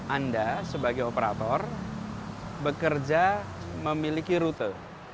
anda sebagai operator bekerja memiliki rute